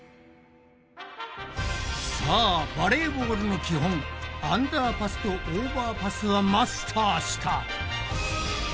さあバレーボールの基本アンダーパスとオーバーパスはマスターした！